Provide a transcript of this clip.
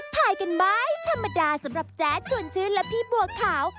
ถ่ายกันไหมธรรมดาสำหรับแจ๊ดชวนชื่นและพี่บัวขาว